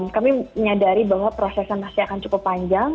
kami menyadari bahwa prosesnya masih akan cukup panjang